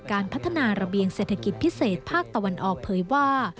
การพัฒนาระเบียงเศรษฐกิจพิเศษภาคตะวันออกเผยว่า